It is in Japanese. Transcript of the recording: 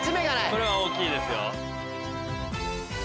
これは大きいですよ。